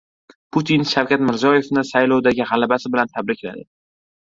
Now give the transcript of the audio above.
Putin Shavkat Mirziyoyevni saylovdagi g‘alabasi bilan tabrikladi